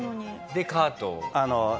でカートを。